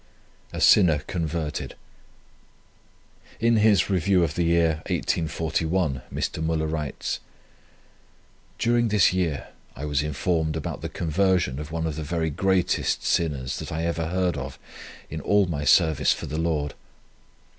A GREAT SINNER CONVERTED. In his REVIEW OF THE YEAR 1841, Mr. Müller writes: "During this year I was informed about the conversion of one of the very greatest sinners, that I ever heard of in all my service for the Lord.